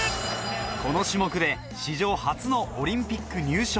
この種目で史上初のオリンピック入賞。